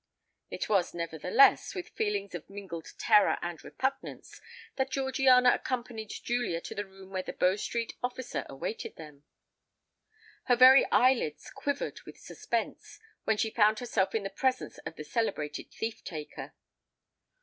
It was nevertheless with feelings of mingled terror and repugnance that Georgiana accompanied Julia to the room where the Bow Street officer awaited them. Her very eye lids quivered with suspense, when she found herself in the presence of the celebrated thief taker.